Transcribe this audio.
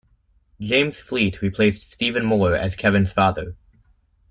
James Fleet replaced Stephen Moore as Kevin's father.